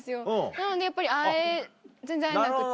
なのでやっぱり全然会えなくて。